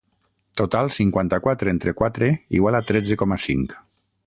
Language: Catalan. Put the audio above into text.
Total, cinquanta-quatre entre quatre igual a tretze coma cinc.